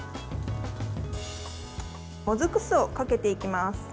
もずく酢をかけていきます。